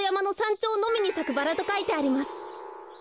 ちょうのみにさくバラとかいてあります。